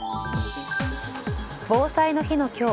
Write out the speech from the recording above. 防災の日の今日